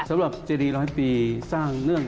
สำหรับเจดีร้อยปีสร้างเนื่อง